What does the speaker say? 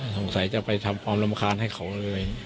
จะไปทำความรำคาญให้เขาเลย